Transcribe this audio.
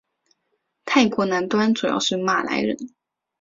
泰国南端主要是马来人。